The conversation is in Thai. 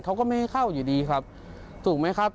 เขาก็ไม่ให้เข้าอยู่ดีครับถูกไหมครับ